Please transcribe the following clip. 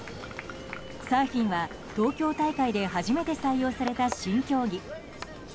サーフィンは東京大会で初めて採用された新競技。